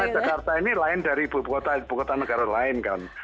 karena jakarta ini lain dari ibu kota negara lain kan